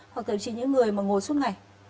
hoặc tự nhiên những người mà ngồi suốt ngày